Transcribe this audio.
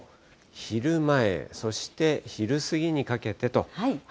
昼前、そして昼過ぎにかけてと。